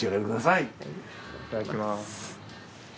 いただきます。